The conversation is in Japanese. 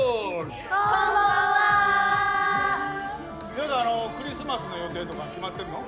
皆さんあのクリスマスの予定とか決まってるの？